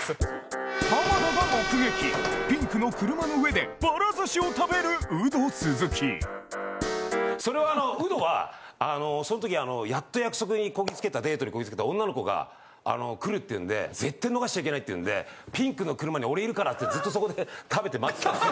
浜田が目撃それはあのウドはその時やっと約束にこぎつけたデートにこぎつけた女の子が来るっていうんで絶対逃しちゃいけないっていうんでピンクの車に俺いるからってずっとそこで食べて待ってたんです。